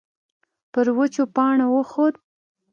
پر وچو پاڼو وخوت.